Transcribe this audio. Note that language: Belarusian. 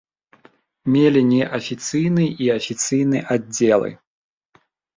Мелі неафіцыйны і афіцыйны аддзелы.